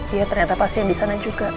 iya ternyata pasien disana juga